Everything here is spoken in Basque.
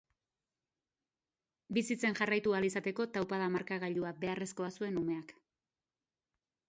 Bizitzen jarraitu ahal izateko taupada-markagailua beharrezkoa zuen umeak.